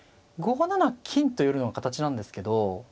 ５七金と寄るのが形なんですけど。